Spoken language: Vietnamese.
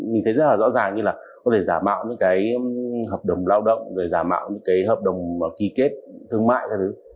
mình thấy rất là rõ ràng như là có thể giả mạo những cái hợp đồng lao động rồi giả mạo những cái hợp đồng ký kết thương mại các thứ